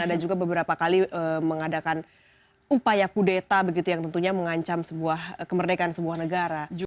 ada juga beberapa kali mengadakan upaya kudeta begitu yang tentunya mengancam sebuah kemerdekaan sebuah negara